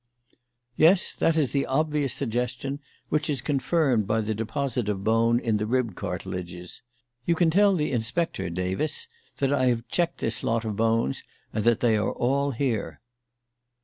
"Yes, that is the obvious suggestion, which is confirmed by the deposit of bone in the rib cartilages. You can tell the inspector, Davis, that I have checked this lot of bones and that they are all here."